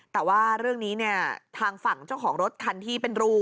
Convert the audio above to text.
แต่ว่าเรื่องนี้เนี่ยทางฝั่งเจ้าของรถคันที่เป็นรู